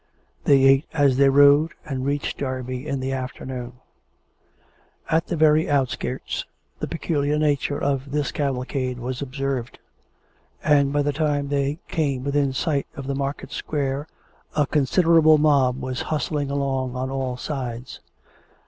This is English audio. They ate as they rode, and reached Derby in the after noon. At the very outskirts the peculiar nature of this caval COME RACK! COME ROPE! 4S3 cade was observed; and by the time that they came within sight of the market square a considerable mob was hustling along on all sides.